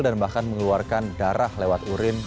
dan bahkan mengeluarkan darah lewat urin